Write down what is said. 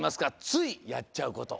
ついやっちゃうこと。